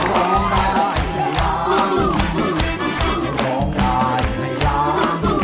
โปรดติดตามตอนต่อไป